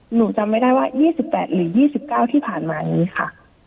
หนูจำไม่ได้ว่า๒๘หรือ๒๙ที่ผ่านมานี้ค่ะ